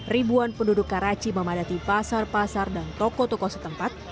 ribuan penduduk karaci memadati pasar pasar dan toko toko setempat